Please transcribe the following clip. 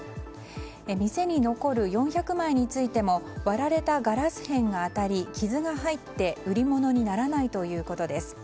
店に残る４００枚についても割られたガラス片が当たり傷が入って売り物にならないということです。